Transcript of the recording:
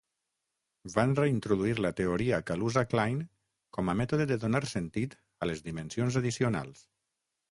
Van reintroduir la teoria Kaluza-Klein com a mètode de donar sentit a les dimensions addicionals.